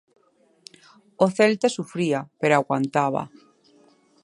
O Celta sufría, pero aguantaba.